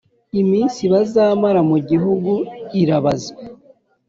iminsi bazamara mu gihugu irabazwe